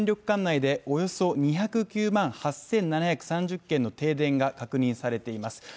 管内でおよそ２０９万８７３０件の停電が確認されています。